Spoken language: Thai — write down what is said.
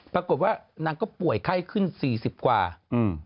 ปรากฏว่านางก็ป่วยไข้ขึ้นสี่สิบกว่าอืม